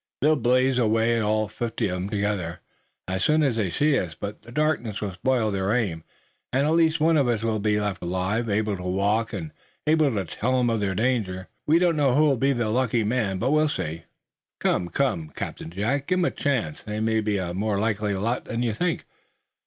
They'll blaze away all fifty of 'em together, as soon as they see us, but the darkness will spoil their aim, and at least one of us will be left alive, able to walk, and able to tell 'em of their danger. We don't know who'll be the lucky man, but we'll see." "Come, come, Captain Jack! Give 'em a chance! They may be a more likely lot than you think.